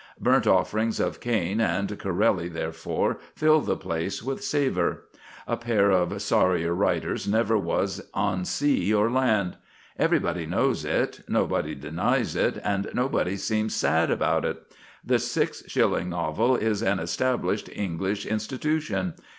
Burnt offerings of Caine and Corelli therefore fill the place with savour. A pair of sorrier writers never was on sea or land. Everybody knows it, nobody denies it, and nobody seems sad about it. The six shilling novel is an established English institution.